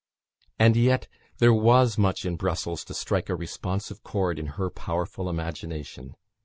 And yet there was much in Brussels to strike a responsive chord in her powerful imagination.